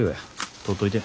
取っといて。